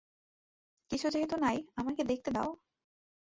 কিছু যেহেতু নাই, আমাকে দেখতে দাও।